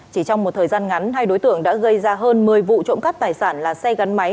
chỉ trong một thời gian ngắn hai đối tượng đã gây ra hơn một mươi vụ trộm cắp tài sản là xe gắn máy